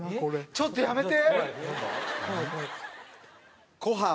ちょっとやめて！